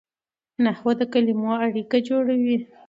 نحوه د کلیمو اړیکه جوړوي.